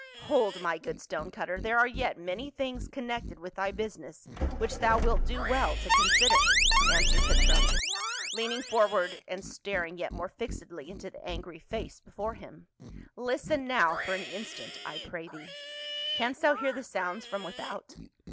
" Hold, my good stone cutter, there are yet many things connected with thy business which thou wilt do well to consider," answered Petronius, leaning forward and staring yet more fixedh" into the angry face before him. " Listen now for an instant. I pray thee. Canst thou hear the sounds from without